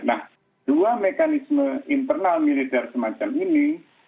nah dua mekanisme internal militer semacam ini